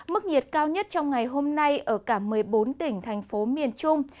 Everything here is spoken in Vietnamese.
mức nhiệt cao nhất trong ngày hôm nay ở cả một mươi bốn tỉnh thành phố miền trung